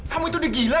kamu itu digila